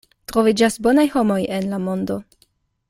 Troviĝas bonaj homoj en la mondo.